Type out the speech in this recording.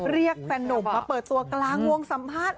เรียกสนุกเพื่อเปิดตัวกลางวงสัมภาษณ์